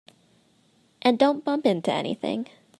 And don't bump into anything.